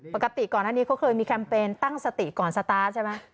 ปกติก่อนอันนี้เขาเคยมีแคมเปญตั้งสติก่อนสตาร์ทใช่ไหม